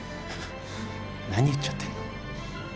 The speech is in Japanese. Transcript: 何言っちゃってんの？